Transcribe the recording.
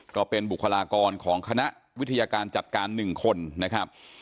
ก็เป็นบุคลากรของคณะวิทยาการจัดการ๑คนนะครับ